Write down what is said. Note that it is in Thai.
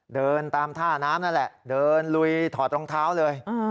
เดินตามท่าน้ำนั่นแหละเดินลุยถอดรองเท้าเลย